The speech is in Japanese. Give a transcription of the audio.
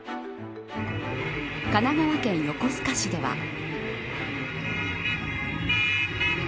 神奈川県横須賀市では。